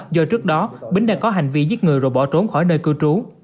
do trước đó bính đã có hành vi giết người rồi bỏ trốn khỏi nơi cư trú